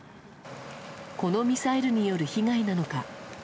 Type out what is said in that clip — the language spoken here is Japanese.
このミサイルによる被害なのか